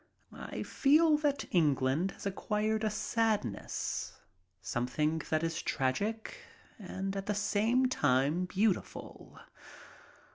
I feel that England has acquired a sadness, something that is tragic and at the same time beautiful.